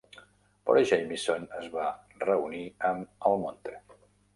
Però Jameson es va reunir amb Almonte.